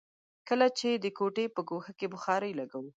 کله چې د کوټې په ګوښه کې بخارۍ لګوو.